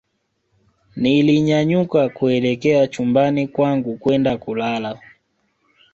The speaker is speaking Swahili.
nilinyanyuka kuelekea chumbani kwangu kwenda kulala